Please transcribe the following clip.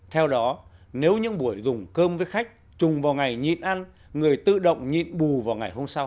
theo đó nếu những buổi dùng cơm với khách trùng vào ngày nhịn ăn người tự động nhịn bù vào ngày hôm sau